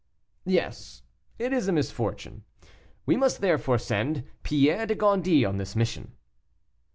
"Yes, it is a misfortune. We must therefore send Pierre de Gondy on this mission."